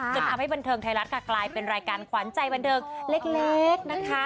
จนทำให้บันเทิงไทยรัฐค่ะกลายเป็นรายการขวัญใจบันเทิงเล็กนะคะ